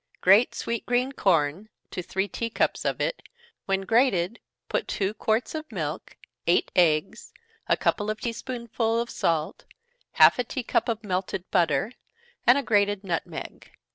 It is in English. _ Grate sweet green corn to three tea cups of it, when grated, put two quarts of milk, eight eggs, a couple of tea spoonsful of salt, half a tea cup of melted butter, and a grated nutmeg.